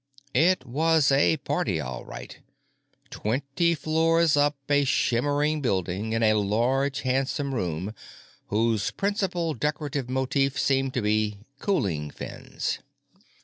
It was a party, all right—twenty floors up a shimmering building in a large, handsome room whose principal decorative motif seemed to be cooling fins.